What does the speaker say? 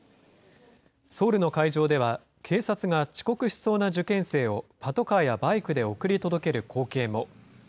ソウルの会場では、警察が遅刻しそうな受験生をパトカーやバイクで送り届ける光景も。